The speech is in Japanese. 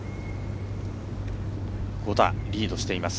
５打リードしています。